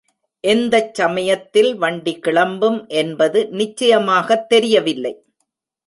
எந்தச் சமயத்தில் வண்டி கிளம்பும் என்பது நிச்சயமாகத் தெரியவில்லை.